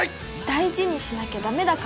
大事にしなきゃダメだから